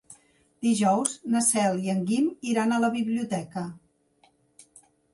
Dijous na Cel i en Guim iran a la biblioteca.